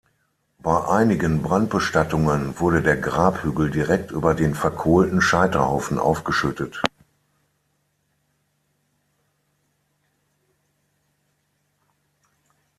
Bei einigen Brandbestattungen wurde der Grabhügel direkt über den verkohlten Scheiterhaufen aufgeschüttet.